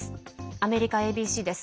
アメリカＡＢＣです。